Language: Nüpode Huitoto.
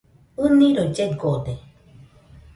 ɨniroi llegode.